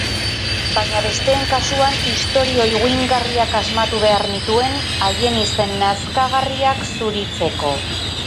Baina besteen kasuan istorio higuingarriak asmatu behar nituen haien izen nazkagarriak zuritzeko.